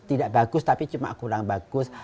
tidak bagus tapi cuma kurang bagus